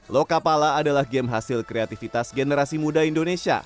lokapala adalah game hasil kreativitas generasi muda indonesia